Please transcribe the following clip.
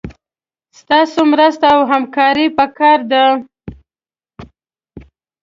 ستاسي مرسته او همکاري پکار ده